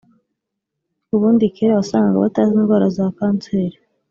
ubundi kera wasangaga batazi indwara za kanseri